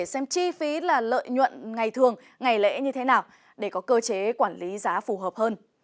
xem chi phí là lợi nhuận ngày thường ngày lễ như thế nào để có cơ chế quản lý giá phù hợp hơn